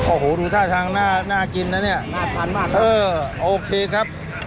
โอ้โหดูท่าช้างน่าน่ากินนะเนี้ยน่ากินมากครับเออโอเคครับ